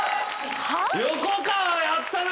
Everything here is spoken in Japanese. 横川やったな！